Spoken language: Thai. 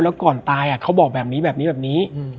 แล้วก่อนตายเขาบอกแบบนี้แบบนี้แบบนี้